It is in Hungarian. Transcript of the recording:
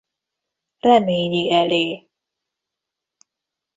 Reményi elé!